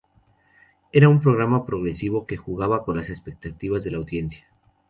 Era un programa progresivo, que jugaba con las expectativas de la audiencia.